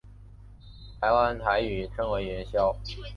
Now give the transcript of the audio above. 台湾台语称为元宵。